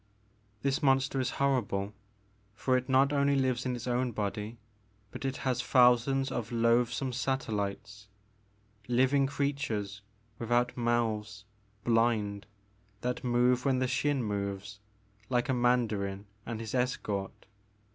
This monster is horrible, for it not only lives in its The Maker of Moons. 7 1 own body, but it has thousands of loathsome satellites, — ^living creatures without mouths, blind, that move when the Xin moves, like a mandarin and his escort.